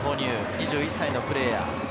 ２１歳のプレーヤー。